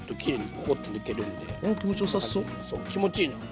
気持ちいいのよ。